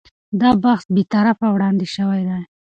دا بحث بې طرفه وړاندې شوی دی.